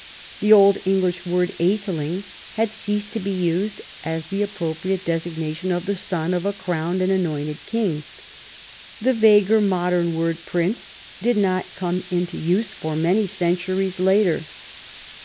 The old English word "^theling" had ceased to be used as the appropriate designation of the son of a crowned and anointed king. The vaguer modern word "prince" did not come into use for many centuries later.